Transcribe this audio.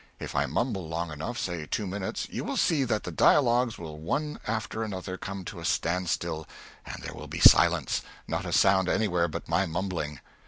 If I mumble long enough say two minutes you will see that the dialogues will one after another come to a standstill, and there will be silence, not a sound anywhere but my mumbling."